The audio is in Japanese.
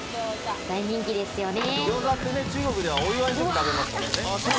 大人気ですよね。